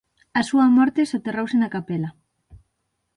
Á súa morte soterrouse na capela.